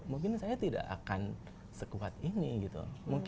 mungkin saya tidak akan sekuat ini gitu